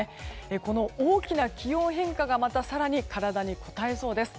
この大きな気温変化がまた更に体にこたえそうです。